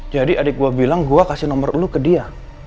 adik gue bilang gue kasih nomor ulu ke dia